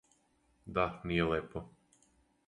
Да, није лепо.